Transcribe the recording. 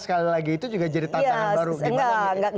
ada lagi itu juga jadi tantangan baru